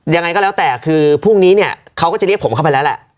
ยังไงก็แล้วแต่คือพรุ่งนี้เนี่ยเขาก็จะเรียกผมเข้าไปแล้วแหละ